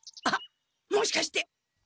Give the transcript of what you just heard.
あっもしかして！？